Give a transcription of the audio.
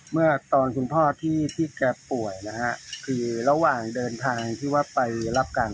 เมื่อตอนคุณพ่อที่ที่แกป่วยนะฮะคือระหว่างเดินทางที่ว่าไปรับการ